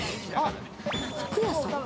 服屋さん？